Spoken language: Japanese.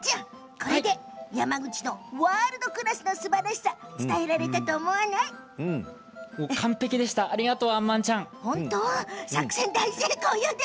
これで山口のワールドクラスのすばらしさを伝えられたと思うんだけどどう？